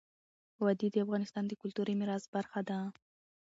وادي د افغانستان د کلتوري میراث برخه ده.